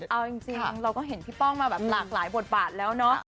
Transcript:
เอาจริงเราก็เห็นพี่ป้องมาแบบหลากหลายบทบาทแล้วเนาะ